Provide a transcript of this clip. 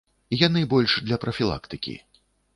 Яны больш для прафілактыкі.